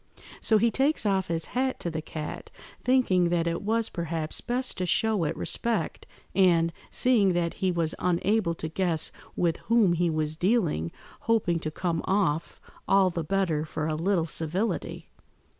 So he takes off his hat to the cat, thinking that it was, perhaps, best to show it respect, and, seeing that he was unable to guess with whom he was dealing, hoping to come off all the better for a little civility.